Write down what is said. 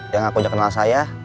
yang aku kenal saya